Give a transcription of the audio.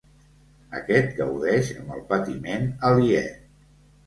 Aquest gaudeix amb el patiment aliè.